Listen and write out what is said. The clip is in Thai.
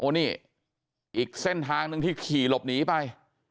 นี่อีกเส้นทางหนึ่งที่ขี่หลบหนีไป